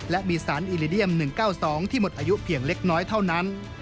และมีสารอิลิเดียม๑๙๒ที่หมดอายุเพียงเล็กน้อยเท่านั้น